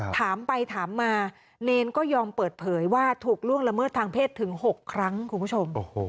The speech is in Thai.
ถามไปถามมาเนรก็ยอมเปิดเผยว่าถูกล่วงละเมิดทางเพศถึง๖ครั้งคุณผู้ชม